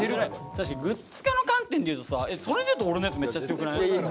確かにグッズ化の観点でいうとさそれでいうと俺のやつめっちゃ強くない？